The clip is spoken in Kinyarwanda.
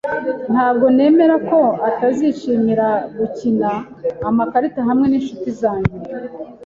Ntabwo nemera ko utazishimira gukina amakarita hamwe ninshuti zanjye.